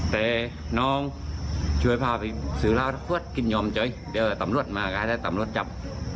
แต่น้องช่วยพาไปซื้อเหล้าขวดกินยอมเฉยเดี๋ยวตำรวจมาก็ให้ตำรวจจับ